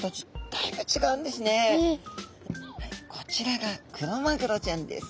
こちらがクロマグロちゃんです。